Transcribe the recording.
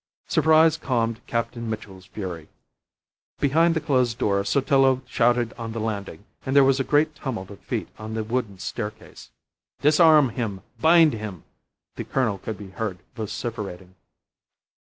Surprise calmed Captain Mitchell's fury. Behind the closed door Sotillo shouted on the landing, and there was a great tumult of feet on the wooden staircase. "Disarm him! Bind him!" the colonel could be heard vociferating.